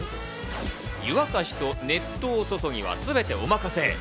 湯沸しと熱湯注ぎは、すべてお任せ。